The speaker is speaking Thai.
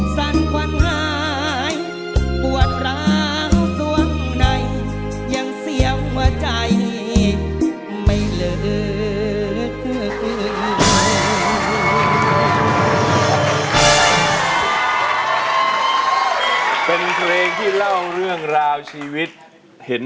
สุดท้ายเราเออเธอลงเห่อ